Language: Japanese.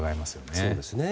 そうですね。